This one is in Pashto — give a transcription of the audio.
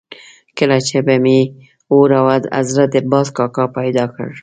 کله چې به مې اور او حضرت باز کاکا پیدا کړل.